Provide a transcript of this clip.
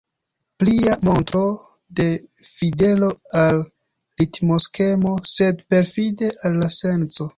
Plia montro de fidelo al ritmoskemo, sed perfide al la senco.